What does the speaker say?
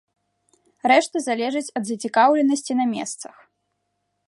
Рэшта залежыць ад зацікаўленасці на месцах.